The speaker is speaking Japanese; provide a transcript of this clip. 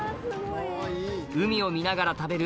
海を見ながら食べる